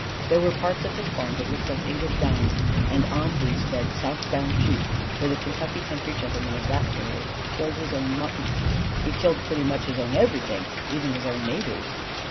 There were parts of his farm that looked like English downs; and on these fed Southdown sheep; for the Kentucky country gentleman of that period killed his own mutton. (He killed pretty much his own everything, even his own neighbors.)